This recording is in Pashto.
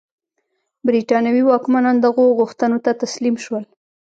برېټانوي واکمنان دغو غوښتنو ته تسلیم شول.